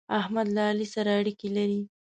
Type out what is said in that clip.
احمد له علي سره اړېکې لري.